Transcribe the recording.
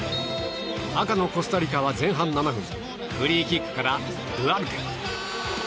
赤のコスタリカは前半７分フリーキックからドゥアルテ！